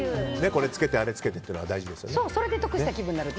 これつけて、あれつけてって大事ですよね。